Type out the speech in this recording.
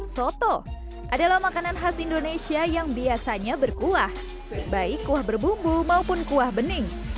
soto adalah makanan khas indonesia yang biasanya berkuah baik kuah berbumbu maupun kuah bening